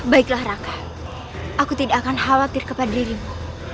baiklah raka aku tidak akan khawatir kepada dirimu